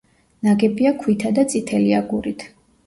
ნაგებია ქვითა და წითელი აგურით.